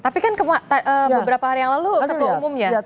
tapi kan beberapa hari yang lalu ketua umumnya